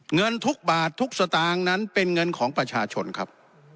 เงินทุกบาททุกสตางค์นั้นเป็นเงินของประชาชนครับ